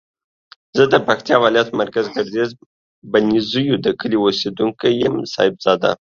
زه د پکتیاولایت مرکز ګردیز د بنزیو دکلی اوسیدونکی یم صاحب زاده